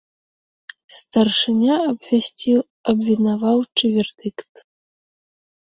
Старшыня абвясціў абвінаваўчы вердыкт.